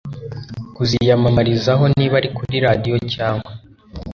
kuziyamamarizaho niba ari kuri radiyo cyangwa